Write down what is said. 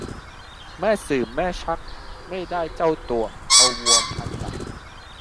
แม่สื่อแม่ชัก ไม่ได้เจ้าตัว เอาวัวพันหลัก